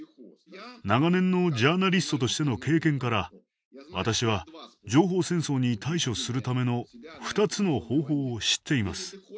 長年のジャーナリストとしての経験から私は情報戦争に対処するための２つの方法を知っています。